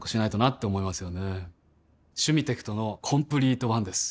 「シュミテクトのコンプリートワン」です